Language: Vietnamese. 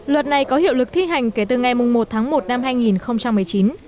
luật này có hiệu lực thi hành kể từ ngày một tháng một năm hai nghìn một mươi chín